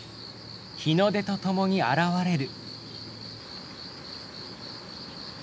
日の出とともに現れる。